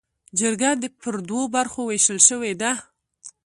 جرګه پر دوو برخو ووېشل شوه.